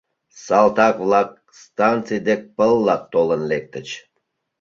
Салтак-влак станций дек пылла толын лектыч.